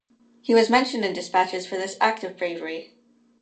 He was mentioned in dispatches for this act of bravery.